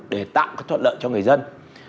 để tạo cái thuận lợi cho người dân